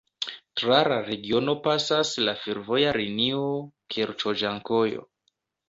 Tra la regiono pasas la fervoja linio Kerĉo-Ĝankojo.